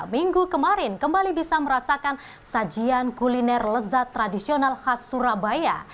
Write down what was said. minggu kemarin kembali bisa merasakan sajian kuliner lezat tradisional khas surabaya